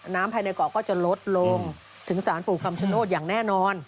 ภายในเกาะก็จะลดลงถึงสารปู่คำชโนธอย่างแน่นอน